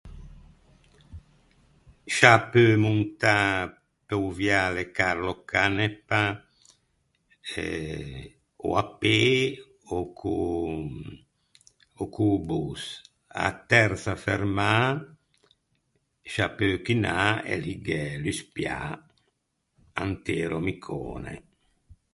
Sciâ peu montâ pe-o viale Carlo Canepa eh ò à pê ò con ò co-o bus. A-a tersa fermâ sciâ peu chinâ e lì gh’é l’uspiâ Antero Micone.